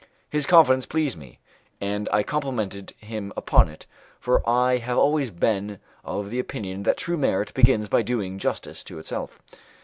His confidence pleased me, and I complimented him upon it, for I have always been of the opinion that true merit begins by doing justice to itself.